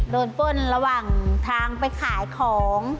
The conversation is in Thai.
ป้นระหว่างทางไปขายของ